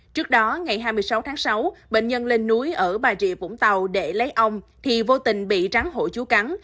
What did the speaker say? trước đó ngày hai mươi sáu tháng sáu bệnh nhân lên núi ở bà rịa vũng tàu để lấy ong thì vô tình bị rắn hộ chú cắn